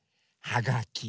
はがき。